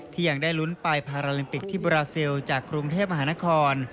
ยังได้ลุ้นไปพาราลิมปิกที่บราซิลจากกรุงเทพมหานคร